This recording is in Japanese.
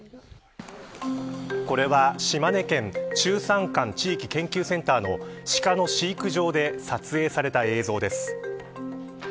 これは島根県中山間地域研究センターのシカの飼育場で撮影された映像です。